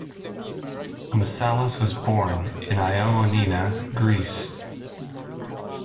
Massalas was born in Ioannina, Greece.